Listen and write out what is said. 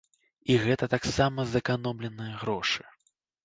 І гэта таксама зэканомленыя грошы.